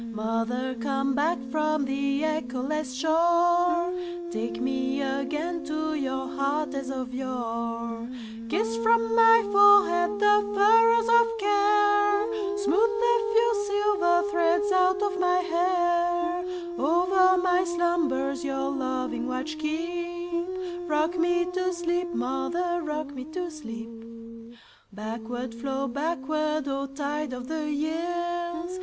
Mother, come back from the echoless shore, Take me again to your heart as of yore; Kiss from my forehead the furrows of care, Smooth the few silver threads out of my hair; Over my slumbers your loving watch keep;—Rock me to sleep, mother,—rock me to sleep! Backward, flow backward, O tide of the years!